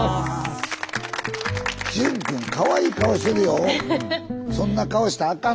隼くんかわいい顔してるよ。